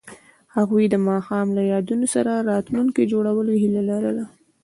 هغوی د ماښام له یادونو سره راتلونکی جوړولو هیله لرله.